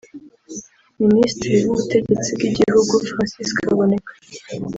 Minisitiri w’Ubutegetsi bw’Igihugu Francis Kaboneka